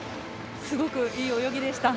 すごくいい泳ぎでした。